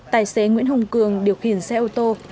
tài xế nguyễn hồng cường điều khiển xe ô tô